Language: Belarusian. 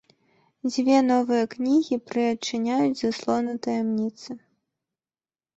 Дзве новыя кнігі прыадчыняюць заслону таямніцы.